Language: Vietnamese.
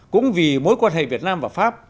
cũng vì mối quan hệ việt nam và pháp